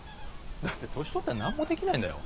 だって年取ったら何もできないんだよ。